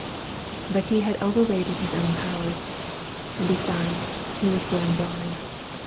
But he had overrated his own powers; and besides, he was growing blind.